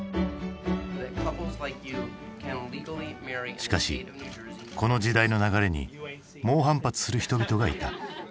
しかしこの時代の流れに猛反発する人々がいた。